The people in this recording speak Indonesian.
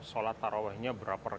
atau sholat tarawihnya berapa rekan